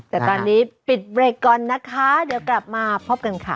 แต่ตอนนี้ปิดเบรกก่อนนะคะเดี๋ยวกลับมาพบกันค่ะ